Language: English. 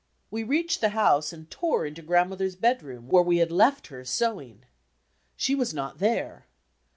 We reached the house and tore into Grandmother's bedroom, where we had left her sewing. She was not there.